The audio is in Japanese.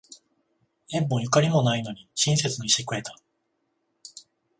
縁もゆかりもないのに親切にしてくれた